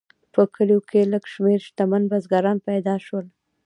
په کلیو کې لږ شمیر شتمن بزګران پیدا شول.